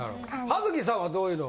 葉月さんはどういうの？